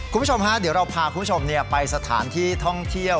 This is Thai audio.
คุณผู้ชมฮะเดี๋ยวเราพาคุณผู้ชมไปสถานที่ท่องเที่ยว